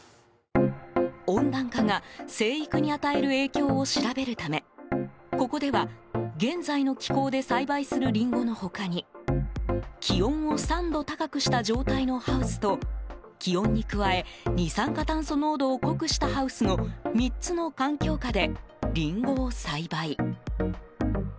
温暖化が生育に与える影響を調べるためここでは、現在の気候で栽培するリンゴの他に気温を３度高くした状態のハウスと気温に加え、二酸化炭素濃度を濃くしたハウスの３つの環境下で、リンゴを栽培。